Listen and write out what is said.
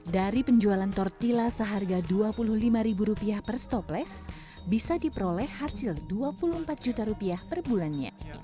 dari penjualan tortilla seharga dua puluh lima per stopless bisa diperoleh hasil dua puluh empat juta rupiah per bulannya